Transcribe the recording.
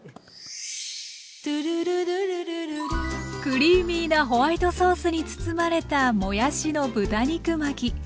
クリーミーなホワイトソースに包まれたもやしの豚肉巻き。